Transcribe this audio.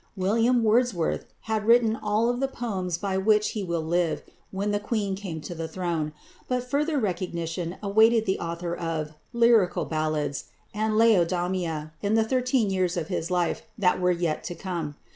=William Wordsworth (1770 1850)= had written all the poems by which he will live when the Queen came to the throne, but further recognition awaited the author of "Lyrical Ballads" and "Laodamia" in the thirteen years of his life that were yet to come.